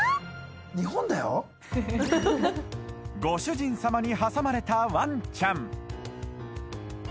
日本だよご主人様に挟まれたワンちゃん